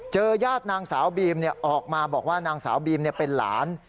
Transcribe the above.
ญาตินางสาวบีมออกมาบอกว่านางสาวบีมเป็นหลาน